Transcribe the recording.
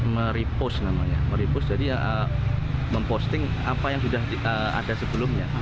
merepost namanya merepost jadi memposting apa yang sudah ada sebelumnya